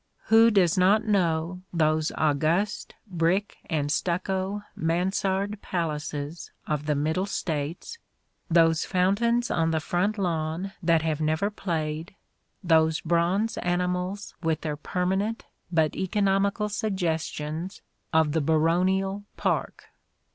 Who does not know those august brick and stucco Mansard palaces of the Middle States, those fountains on the front lawn that have never played, those bronze animals with their per manent but economical suggestions of the baronial park